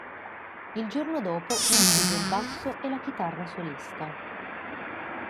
Il giorno dopo incise il basso e la chitarra solista.